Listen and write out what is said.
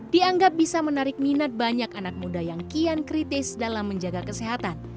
dianggap bisa menarik minat banyak anak muda yang kian kritis dalam menjaga kesehatan